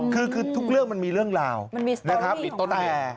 คือทุกเรื่องมันมีเรื่องราวมีตัวแต่